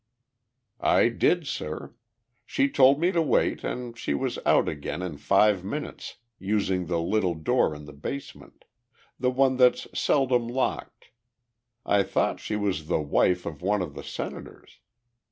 "I did, sir. She told me to wait and she was out again in five minutes, using the little door in the basement the one that's seldom locked. I thought she was the wife of one of the Senators.